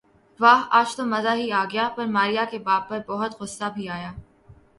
واہ آج تو مزہ ہی آ گیا پر ماریہ کے باپ پر بہت غصہ بھی آیا